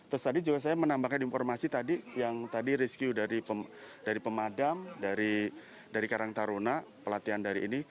terus tadi juga saya menambahkan informasi tadi yang tadi rescue dari pemadam dari karang taruna pelatihan dari ini